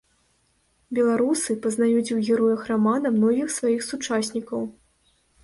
Беларусы пазнаюць у героях рамана многіх сваіх сучаснікаў.